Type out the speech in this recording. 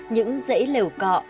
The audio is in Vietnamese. những dãy lều cọ